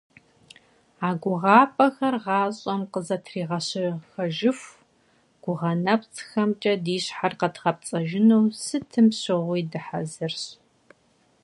А гугъапӀэхэр гъащӀэм къызэтригъэщэхэжыху, гугъэ нэпцӀхэмкӀэ ди щхьэр къэдгъэпцӀэжыну сытым щыгъуи дыхьэзырщ.